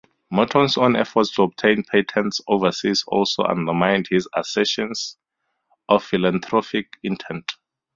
Morton's own efforts to obtain patents overseas also undermined his assertions of philanthropic intent.